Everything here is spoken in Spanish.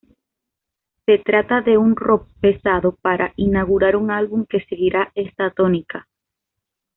Se trata de un rock pesado para inaugurar un álbum que seguirá está tónica.